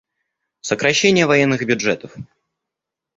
Сокращение военных бюджетов.